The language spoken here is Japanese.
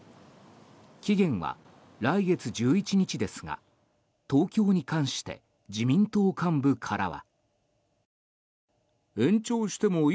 期限は来月１１日ですが東京に関して自民党幹部からは。